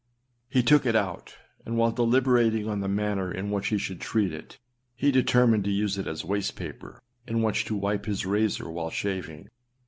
He took it out, and while deliberating on the manner in which he should treat it, he determined that he would use it as waste paper, on which to wipe his razor while shaving.